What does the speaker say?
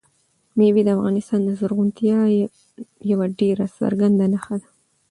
مېوې د افغانستان د زرغونتیا یوه ډېره څرګنده نښه ده.